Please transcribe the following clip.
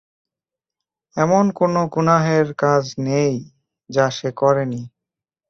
এমন কোন গুনাহের কাজ নেই যা সে করেনি।